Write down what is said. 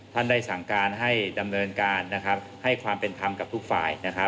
ได้สั่งการให้ดำเนินการให้ความเป็นธรรมกับทุกฝ่าย